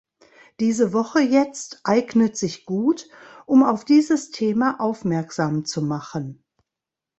Diese Woche jetzt eignet sich gut, um auf dieses Thema aufmerksam zu machen.